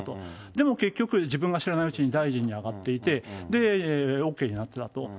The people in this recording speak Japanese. でも結局、自分が知らないうちに大臣に上がっていて、ＯＫになったと。